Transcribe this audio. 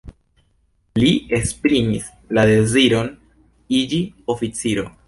Li esprimis la deziron iĝi oficiro.